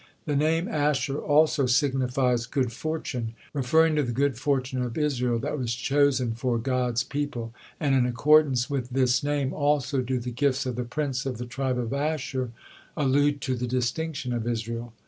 The name Asher also signifies "good fortune," referring to the good fortune of Israel that was chosen to the God's people, and in accordance with this name also do the gifts of the prince of the tribe of Asher allude to the distinction of Israel.